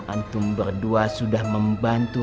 antum berdua sudah membantu